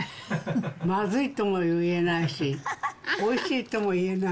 まずいとも言えないし、おいしいとも言えない。